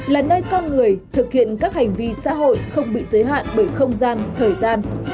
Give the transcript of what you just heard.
là nơi con người thực hiện các hành vi xã hội không bị giới hạn bởi không gian thời gian